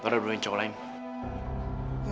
lu ada belom yang cowok lain